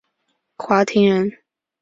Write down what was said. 华亭人。